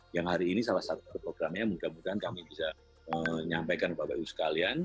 yang hari ini salah satu programnya mudah mudahan kami bisa menyampaikan bapak ibu sekalian